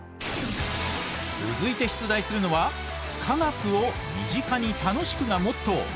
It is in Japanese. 続いて出題するのは科学を身近に楽しくがモットー。